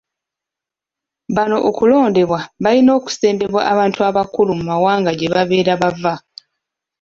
Bano okulondebwa balina okusembebwa abantu abakulu mu mawanga gye babeera bava.